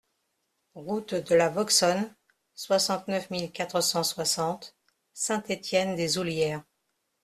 Route de la Vauxonne, soixante-neuf mille quatre cent soixante Saint-Étienne-des-Oullières